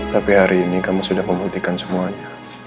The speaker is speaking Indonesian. tapi hari ini kami sudah membuktikan semuanya